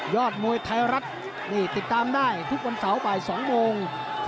มวยไทยรัฐนี่ติดตามได้ทุกวันเสาร์บ่าย๒โมง